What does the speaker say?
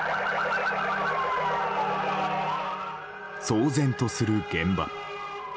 騒然とする現場。